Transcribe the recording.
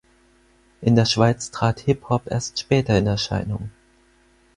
In der Schweiz trat Hip-Hop erst später in Erscheinung.